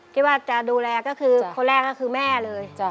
คิดว่าจะดูแลก็คือคนแรกก็คือแม่เลย